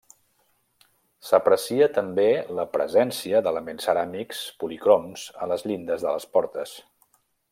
S'aprecia també la presència d'elements ceràmics policroms a les llindes de les portes.